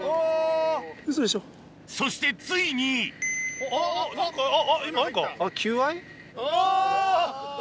そしてついに・あっあっ・あ！